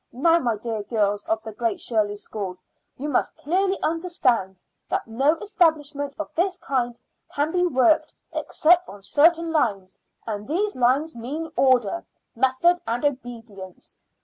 Now my dear girls of the Great Shirley School, you must clearly understand that no establishment of this kind can be worked except on certain lines, and these lines mean order, method, and obedience.